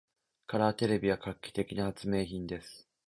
カラーテレビは画期的な発明品です。